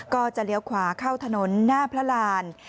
ก็จะเลี้ยวขวาเข้าถนนหน้าพระราน